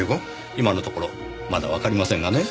今のところまだわかりませんがね。